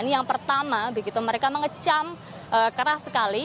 yang pertama begitu mereka mengecam keras sekali